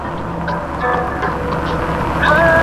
আয়োজনটি তখন শুধু চারুকলার আয়োজন থাকে না, সবার আয়োজনে পরিণত হয়।